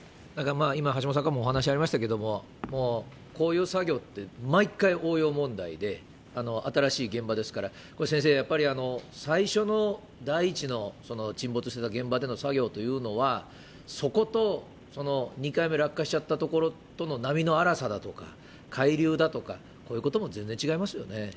今、橋下さんからもお話ありましたけども、もうこういう作業って毎回応用問題で、新しい現場ですから、先生、やっぱり最初の、第一の沈没してた現場での作業というのは、そこと２回目落下しちゃった所の波の荒さだとか、海流だとか、こういうことも全然違いますよね。